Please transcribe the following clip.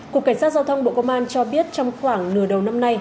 cục cảnh sát giao thông bộ công an cho biết trong khoảng nửa đầu năm nay